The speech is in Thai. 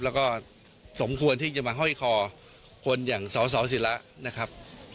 แล้วก็สมควรที่จะมาห้อยคอคนอย่างสสิระนะครับ